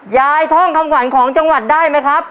ท่องคำขวัญของจังหวัดได้ไหมครับ